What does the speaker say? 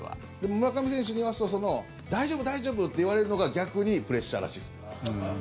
村上選手に言わせると大丈夫、大丈夫って言われるのが逆にプレッシャーらしいです。